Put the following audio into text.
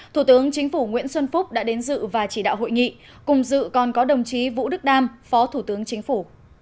thủ tướng chính phủ nguyễn xuân phúc đã đến dự và chỉ đạo hội nghị cùng dự còn có đồng chí vũ đức đam phó thủ tướng chính phủ